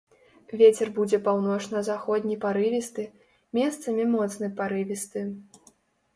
Вецер будзе паўночна-заходні парывісты, месцамі моцны парывісты.